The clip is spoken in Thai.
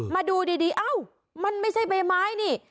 มาดูดีเอ้ามันไม่ใช่ใบไม้นี่